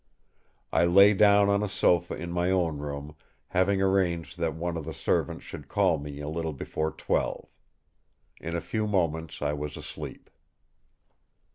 I lay down on a sofa in my own room, having arranged that one of the servants should call me a little before twelve. In a few moments I was asleep.